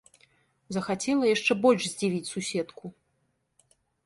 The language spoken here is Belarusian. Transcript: Захацела яшчэ больш здзівіць суседку.